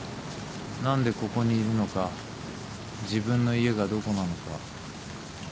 何でここにいるのか自分の家がどこなのか。